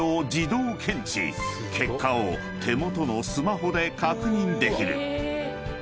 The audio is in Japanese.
［結果を手元のスマホで確認できる］